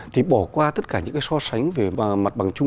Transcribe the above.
thì bỏ qua tất cả những cái so sánh về mặt bằng chung